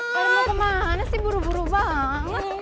keren gak kemana sih buru buru banget